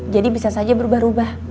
jadi bisa saja berubah rubah